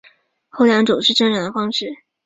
后两种是正常的方式。